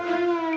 silakan pak komar